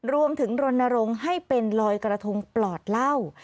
รวมถึงระดงให้เป็นลอยกระทงปลอดเหล้า